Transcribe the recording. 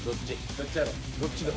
どっちやろ。